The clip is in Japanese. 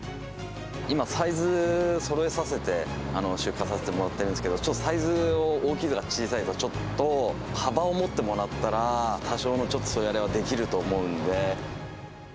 今、サイズ、そろえさせて、出荷させてもらってるんですけど、サイズを大きいとか、小さいとか、ちょっと幅を持ってもらったら、多少のちょっとそれはできると思うんで。